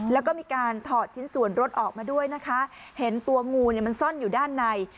แล้วก็มีการถอดชิ้นส่วนรถออกมาด้วยนะคะเห็นตัวงูเนี่ยมันซ่อนอยู่ด้านใน